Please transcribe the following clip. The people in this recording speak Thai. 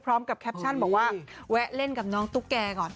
แคปชั่นบอกว่าแวะเล่นกับน้องตุ๊กแก่ก่อน